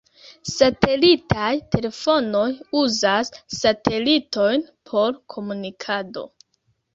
Satelitaj telefonoj uzas satelitojn por komunikado.